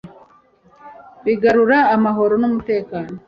bigarura amahoro n'umutekano